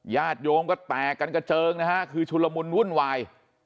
ญาติโยมก็แตกกันกระเจิงนะฮะคือชุลมุนวุ่นวาย